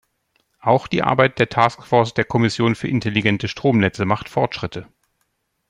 Auch die Arbeit der Task Force der Kommission für intelligente Stromnetze macht Fortschritte.